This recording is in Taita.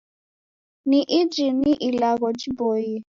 Na iji ni ilagho jiboie